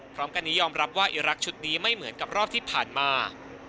พร้อมกันนี้ยอมรับว่าอีรักษ์ชุดนี้ไม่เหมือนกับรอบที่ผ่านมา